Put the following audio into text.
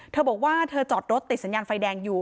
เธอบอกว่าเธอจอดรถติดสัญญาณไฟแดงอยู่